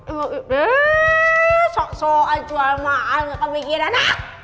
eh soal soal jual mahal gak kepikiran